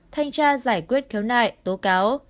thanh tra giải quyết khéo nại tố cáo